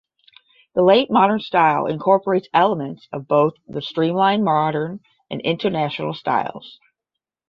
The Late Moderne style incorporates elements of both the Streamline Moderne and International styles.